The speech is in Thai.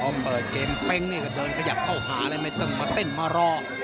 พอเปิดเกมเพ็งก็เดินขยับเข้าหามาเต้นมารอ